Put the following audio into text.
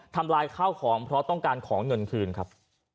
ทำลายข้าวของเพราะต้องการของเงินคืนครับ